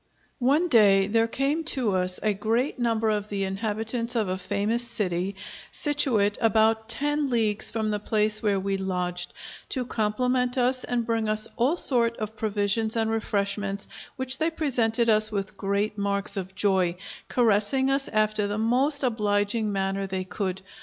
One day there came to us a great number of the inhabitants of a famous city, situate about ten leagues from the place where we lodged, to compliment us and bring us all sort of provisions and refreshments, which they presented us with great marks of joy, caressing us after the most obliging manner they could.